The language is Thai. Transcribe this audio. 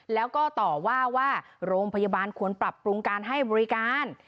แล้วก็ต่อว่าว่าโรงพยาบาลควรปรับปรุงการให้บริการ